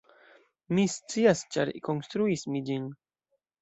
Mi scias, ĉar konstruis mi ĝin.